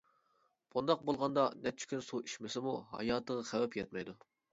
بۇنداق بولغاندا نەچچە كۈن سۇ ئىچمىسىمۇ ھاياتىغا خەۋپ يەتمەيدۇ.